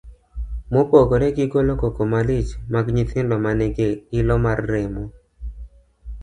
Mopogore gi golo koko malich mag nyithindo ma nigi ilo mar remo